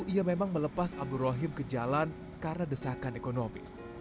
ia memang melepas abdul rohim ke jalan karena desakan ekonomi